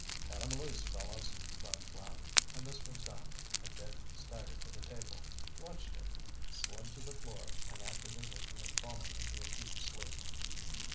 "Cut him loose, fellows!" cried Flapp, and this was done, and Dick staggered to the table, clutched it, slid to the floor and acted as if he had fallen into a deep sleep.